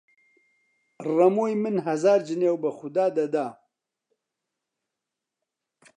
ڕەمۆی من هەزار جنێو بە خودا دەدا!